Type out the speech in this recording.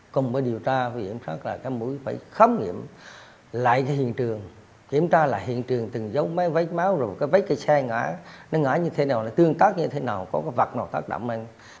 cái xe ngã nó ngã như thế nào nó tương tác như thế nào có vật nào tác động